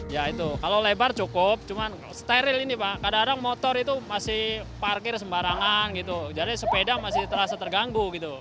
ya itu kalau lebar cukup cuman steril ini pak kadang kadang motor itu masih parkir sembarangan gitu jadi sepeda masih terasa terganggu gitu